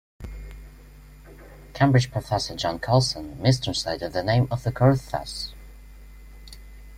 Cambridge professor John Colson mistranslated the name of the curve thus.